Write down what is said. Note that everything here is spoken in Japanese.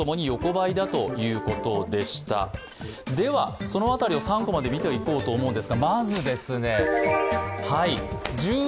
では、そのあたりを３コマで見ていこうと思います。